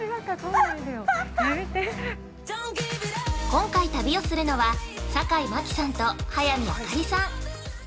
◆今回、旅をするのは坂井真紀さんと早見あかりさん。